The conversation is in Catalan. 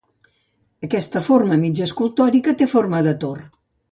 Aquesta forma mig escultòrica té forma de tor.